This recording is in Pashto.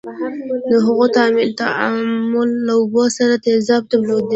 د هغو تعامل له اوبو سره تیزاب تولیدوي.